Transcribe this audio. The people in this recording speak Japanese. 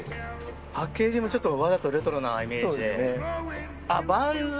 パッケージもわざとレトロなイメージで。